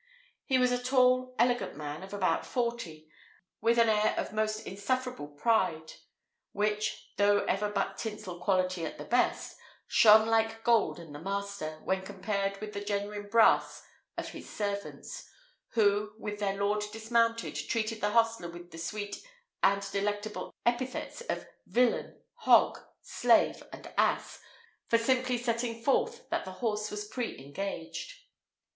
He was a tall, elegant man, of about forty, with an air of most insufferable pride; which though ever but tinsel quality at the best shone like gold in the master, when compared with the genuine brass of his servants, who, while their lord dismounted, treated the hostler with the sweet and delectable epithets of villain, hog, slave, and ass, for simply setting forth that the horse was pre engaged.